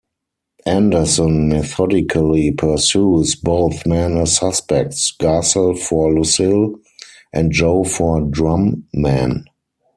Anderson methodically pursues both men as suspects, Garsell for Lucille and Joe for Drumman.